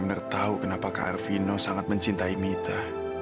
sampai jumpa di video selanjutnya